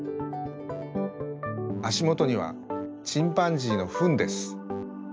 あしもとにはチンパンジーのフンです。